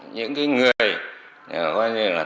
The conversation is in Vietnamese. những cái cán bộ những cái người